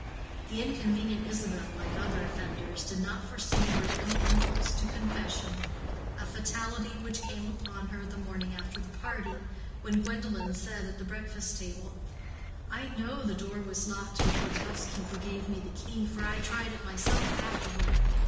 The inconvenient Isabel, like other offenders, did not foresee her own impulse to confession, a fatality which came upon her the morning after the party, when Gwendolen said at the breakfast table, "I know the door was locked before the housekeeper gave me the key, for I tried it myself afterward.